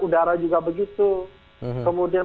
udara juga begitu kemudian